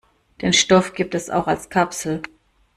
Den Stoff gibt es auch als Kapsel.